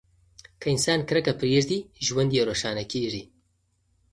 که انسان کرکه پریږدي، ژوند یې روښانه کیږي.